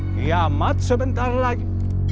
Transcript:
diamat sebentar lagi